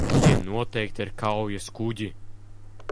Tie noteikti ir kaujaskuģi.